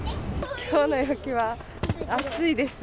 きょうの陽気は暑いです。